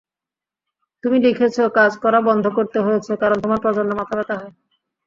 তুমি লিখেছ, কাজ করা বন্ধ করতে হয়েছে, কারণ তোমার প্রচণ্ড মাথাব্যথা হয়।